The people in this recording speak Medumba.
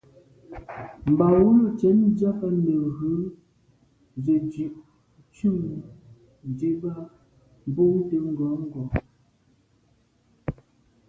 Mbā wʉ́lǒ cwɛ̌d ndíɑ̀g nə̀ ghʉ zə̀ dʉ̀' ntʉ̂m diba mbumtə ngɔ̌ngɔ̀.